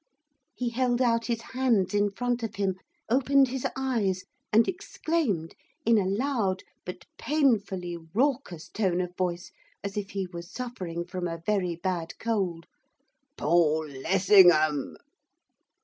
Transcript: He held out his hands in front of him, opened his eyes, and exclaimed, in a loud, but painfully raucous tone of voice, as if he was suffering from a very bad cold, 'Paul Lessingham!